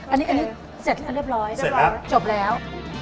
อันนี้เสร็จเรียบร้อยจบแล้วเสร็จแล้ว